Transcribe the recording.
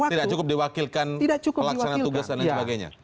tidak cukup diwakilkan pelaksana tugas dan lain sebagainya